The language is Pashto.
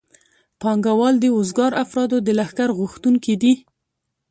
پانګوال د وزګارو افرادو د لښکر غوښتونکي دي